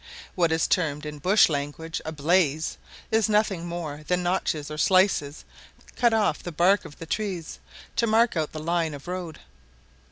What is termed in bush language a blaze, is nothing more than notches or slices cut off the bark of the trees, to mark out the line of road.